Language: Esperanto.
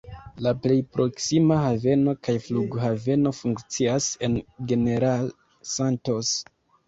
La plej proksima haveno kaj flughaveno funkcias en General Santos.